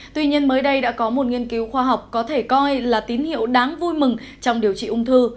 tuy nhiên mới đây đã có một nghiên cứu khoa học có thể coi là tín hiệu đáng vui mừng trong điều trị ung thư